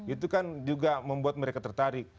itu kan juga membuat mereka tertarik